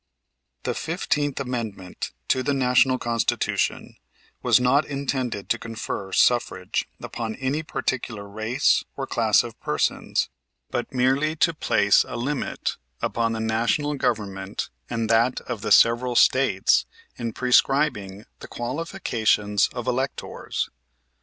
The Fifteenth Amendment to the National Constitution was not intended to confer suffrage upon any particular race or class of persons, but merely to place a limit upon the National Government and that of the several States in prescribing the qualifications of electors.